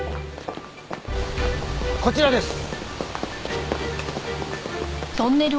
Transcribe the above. こちらです。